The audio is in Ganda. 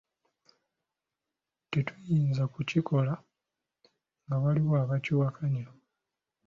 Tetuyinza kukikola nga waliwo abakyakiwakanya.